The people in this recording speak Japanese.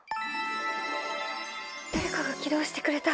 だれかが起動してくれた。